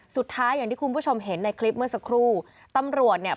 อย่างที่คุณผู้ชมเห็นในคลิปเมื่อสักครู่ตำรวจเนี่ย